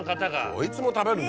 こいつも食べるの？